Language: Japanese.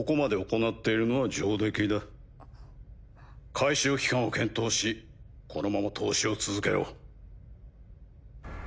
回収期間を検討しこのまま投資を続けろ。